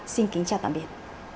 xin kính chào tạm biệt